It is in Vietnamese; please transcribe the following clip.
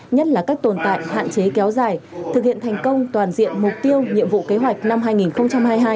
nhất là các tồn tại hạn chế kéo dài thực hiện thành công toàn diện mục tiêu nhiệm vụ kế hoạch năm hai nghìn hai mươi hai